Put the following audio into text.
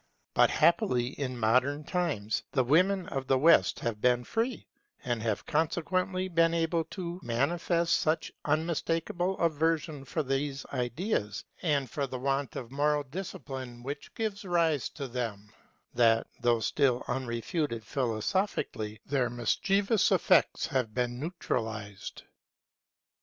But happily in modern times the women of the West have been free; and have consequently been able to manifest such unmistakable aversion for these ideas, and for the want of moral discipline which gives rise to them, that, though still unrefuted philosophically, their mischievous effects have been neutralized.